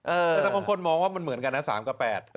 แต่บางคนมองว่ามันเหมือนกันนะ๓กับ๘